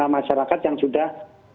masyarakat yang sudah